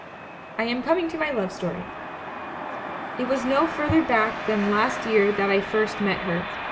"I am cominoj to mv love story. It was no further back than last year that I first met her.